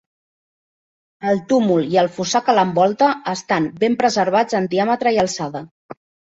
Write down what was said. El túmul i el fossar que l'envolta estan ben preservats en diàmetre i alçada.